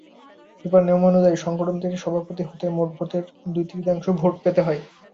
ফিফার নিয়মানুযায়ী, সংগঠনটির সভাপতি হতে মোট ভোটের দুই তৃতীয়াংশ ভোট পেতে হয়।